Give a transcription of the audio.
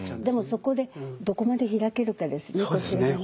でもそこでどこまで開けるかですね。